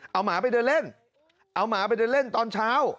เอาหมาไปเดินเล่นตอนเช้า